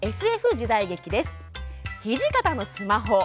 「土方のスマホ」。